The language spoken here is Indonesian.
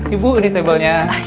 ibu ini tablenya